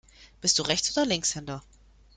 Bist du Rechts- oder Linkshänder?